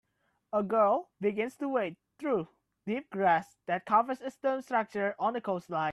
A girl begins to wade through deep grass that covers a stone structure on a coastline.